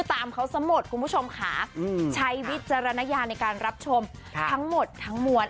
ตามเขาซะหมดคุณผู้ชมค่ะใช้วิจารณญาณในการรับชมทั้งหมดทั้งมวล